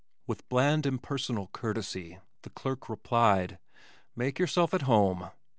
With bland impersonal courtesy the clerk replied, "Make yourself at home."